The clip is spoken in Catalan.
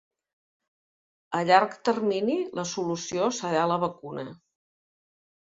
A llarg termini, la solució serà la vacuna.